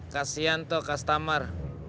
kasian toh kastamar